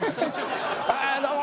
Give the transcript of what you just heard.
ああどうも。